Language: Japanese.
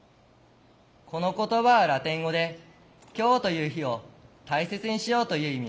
この言葉はラテン語で「今日という日を大切にしよう」という意味の言葉だ。